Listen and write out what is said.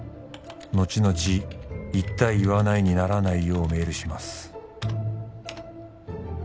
「後々「言った言わない」にならないよう」「メールします」